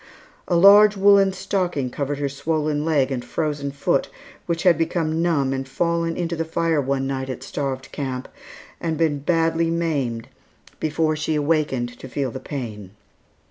A large woollen stocking covered her swollen leg and frozen foot which had become numb and fallen into the fire one night at Starved Camp and been badly maimed before she awakened to feel the pain.